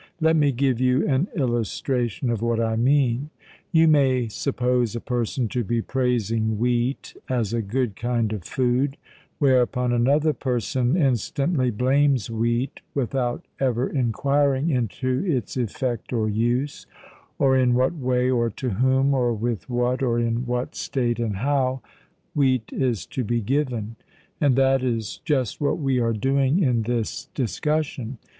Let me give you an illustration of what I mean: You may suppose a person to be praising wheat as a good kind of food, whereupon another person instantly blames wheat, without ever enquiring into its effect or use, or in what way, or to whom, or with what, or in what state and how, wheat is to be given. And that is just what we are doing in this discussion.